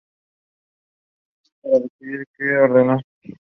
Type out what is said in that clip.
Tiene dudas para decidir que ordenar.